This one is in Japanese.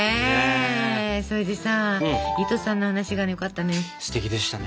それでさ糸さんの話がよかったね。